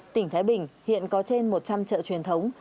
tỉnh thái bình hiện có trên một trăm linh chợ truyền thống